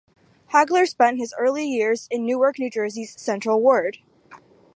Hagler spent his early years in Newark, New Jersey's Central Ward.